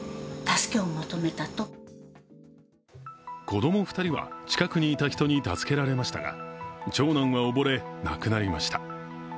子供２人は近くにいた人に助けられましたが、長男は溺れ、亡くなりました。